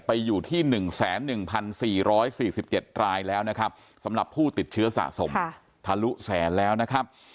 ไปอยู่ที่๑๑๔๔๗รายแล้วนะครับสำหรับผู้ติดเชื้อสะสมทะลุแสนแล้วนะครับ